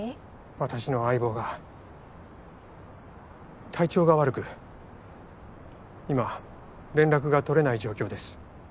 私の相棒が体調が悪く今連絡が取れない状況です。